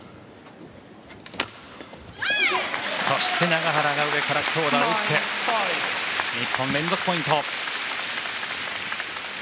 永原が上から強打を打って日本、連続ポイント。